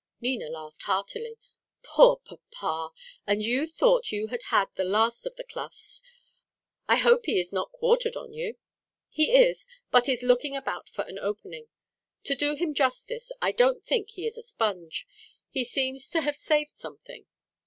Nina laughed heartily. "Poor papa! And you thought you had had the last of the Cloughs. I hope he is not quartered on you." "He is, but is looking about for an opening. To do him justice, I don't think he is a sponge. He seems to have saved something.